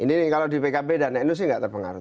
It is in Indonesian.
ini kalau di pkb dan nu sih nggak terpengaruh